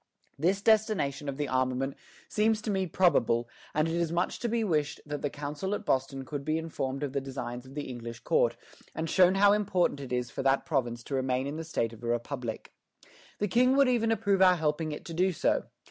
This destination of the armament seems to me probable, and it is much to be wished that the Council at Boston could be informed of the designs of the English court, and shown how important it is for that province to remain in the state of a republic. The King would even approve our helping it to do so.